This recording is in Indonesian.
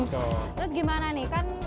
terus gimana nih